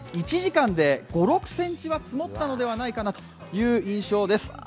１時間で５６ｃｍは積もったのではないかなという印象です。